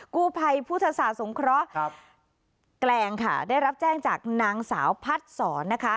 กู้ไพพุทธศาสนครกแกรงค่ะได้รับแจ้งจากนางสาวพัดสอนนะคะ